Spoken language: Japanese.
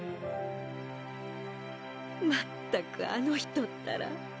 まったくあのひとったら。